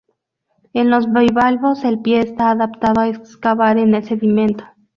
En los bivalvos, el pie está adaptado a excavar en el sedimento.